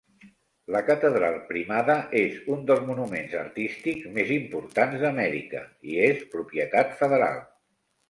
La Catedral Primada és un dels monuments artístics més importants d'Amèrica, i és propietat federal.